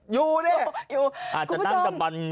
อยู่ดิคุณผู้ชมอยู่อาจจะนั่งประมาณ